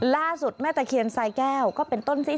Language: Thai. ล่าสุดแม่ตะเคียนทรายแก้วก็เป็นต้นที่๓๙